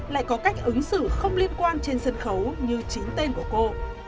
lại có cách ứng xử không liên quan trên sân khấu như chính tên của cô